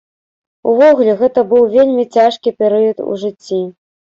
Увогуле, гэта быў вельмі цяжкі перыяд у жыцці.